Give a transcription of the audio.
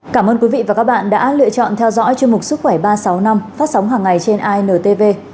cảm ơn quý vị và các bạn đã lựa chọn theo dõi chương mục sức khỏe ba trăm sáu mươi năm phát sóng hàng ngày trên intv